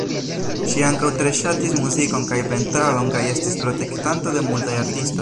Ŝi ankaŭ tre ŝatis muzikon kaj pentradon kaj estis protektanto de multaj artistoj.